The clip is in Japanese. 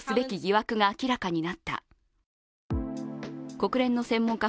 国連の専門家